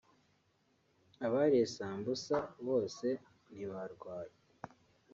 abariye sambusa bose ntibarwaye